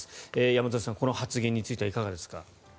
山添さん、この発言についてはいかがでしょうか。